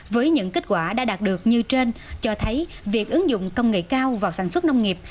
với những kết quả đã đạt được như trên cho thấy việc ứng dụng công nghệ cao vào sản xuất nông nghiệp